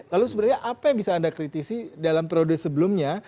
lalu sebenarnya apa yang bisa anda kritisi dalam periode sebelumnya